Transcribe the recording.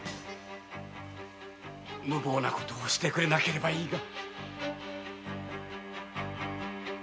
無謀な事をしてくれなければいいが。